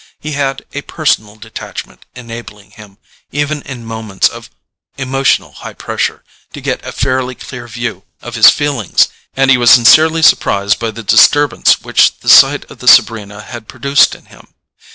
He had a personal detachment enabling him, even in moments of emotional high pressure, to get a fairly clear view of his feelings, and he was sincerely surprised by the disturbance which the sight of the Sabrina had produced in him.